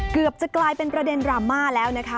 เกือบจะกลายเป็นประเด็นดราม่าแล้วนะคะ